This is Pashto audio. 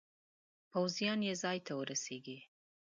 پوځیان یې ځای ورسیږي.